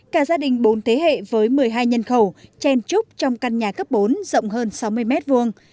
cả gia đình bốn thế hệ với một mươi hai nhân khẩu chen trúc trong căn nhà cấp bốn rộng hơn sáu mươi mét vuông